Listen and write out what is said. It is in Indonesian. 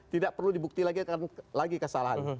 tidak perlu dibuktikan lagi kesalahan